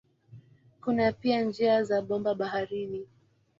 Kuna pia njia za bomba baharini.